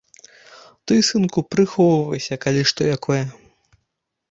Ты, сынку, прыхоўвайся, калі што якое.